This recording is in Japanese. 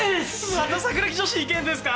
また桜木女子行けるんですか？